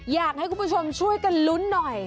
อยากให้คุณผู้ชมช่วยกันลุ้นหน่อย